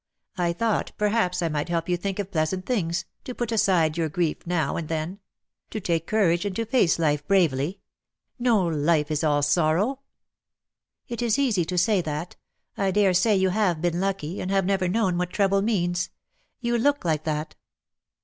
I thought perhaps I might help you to think of pleasant things; to put aside your grief, now and tlienj to take courage, and to face life bravely. No life is all sorrow." "It is easy to say that. I daresay you have been lucky, and have never known what trouble means. You look like that."